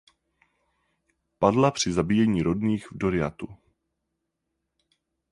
Padla při zabíjení rodných v Doriathu.